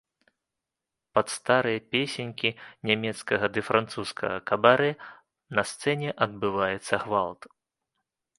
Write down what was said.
Пад старыя песенькі нямецкага ды французскага кабарэ на сцэне адбываецца гвалт.